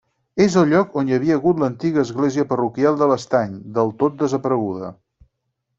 És el lloc on hi havia hagut l'antiga església parroquial de l'Estany, del tot desapareguda.